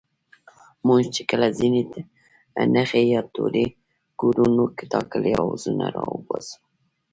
موږ چې کله ځينې نښې يا توري گورو نو ټاکلي آوازونه راوباسو